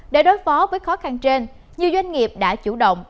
để đối phó với khó khăn trên nhiều doanh nghiệp đã chủ động